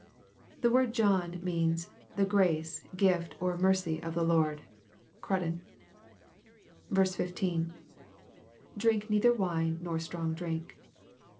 ] The word John means " the grace, gift^ or mercy of the Lord." Cruden, 15. — [Drink neither vnne nor strong drink.'